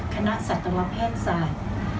คณะศัตรวแพทยศาสตร์